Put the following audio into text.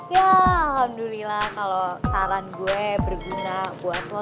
ya alhamdulillah kalau saran gue berguna buat lo